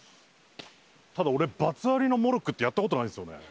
ただ俺罰ありのモルックってやったことないんですよね